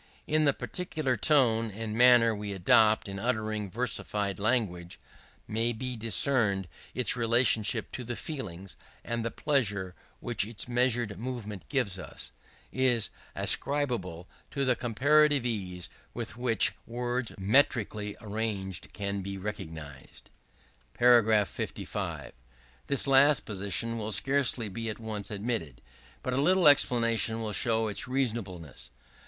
In the peculiar tone and manner we adopt in uttering versified language, may be discerned its relationship to the feelings; and the pleasure which its measured movement gives us, is ascribable to the comparative ease with which words metrically arranged can be recognized. § 55. This last position will scarcely be at once admitted; but a little explanation will show its reasonableness.